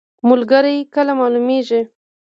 ملګری کله معلومیږي؟